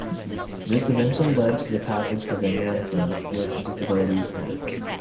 This eventually led to the passage of the Americans with Disabilities Act.